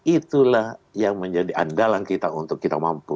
itulah yang menjadi andalan kita untuk kita mampu